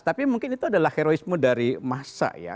tapi mungkin itu adalah heroisme dari massa ya